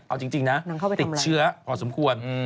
เอาจริงนะติดเชื้อพอสมควร